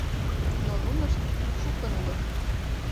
Но нунышт шукын улыт.